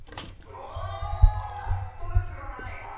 ストレスがない。